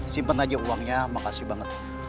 simpen aja uangnya makasih banget